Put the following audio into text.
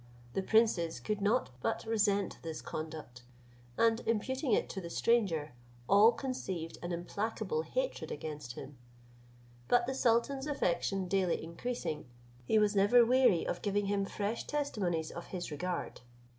The princes could not but resent this conduct, and imputing it to the stranger, all conceived an implacable hatred against him; but the sultan's affection daily increasing, he was never weary of giving him fresh testimonies of his regard.